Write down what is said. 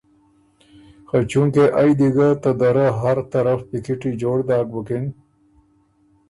خه چونکې ائ دی ګه ته دَرَۀ هر طرف پیکِټی جوړ داک بُکِن